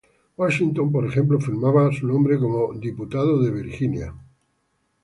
Washington, por ejemplo, firmaba su nombre como “diputado de Virgini”